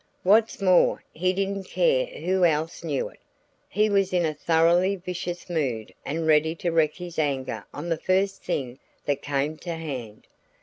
What's more, he didn't care who else knew it. He was in a thoroughly vicious mood and ready to wreak his anger on the first thing that came to hand.